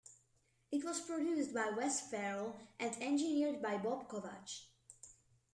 It was produced by Wes Farrell and engineered by Bob Kovach.